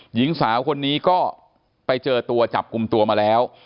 หญิงสาวคนนี้ก็ไปเจอตัวจับกลุ่มตัวมาแล้ว